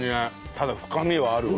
ただ深みはあるわ。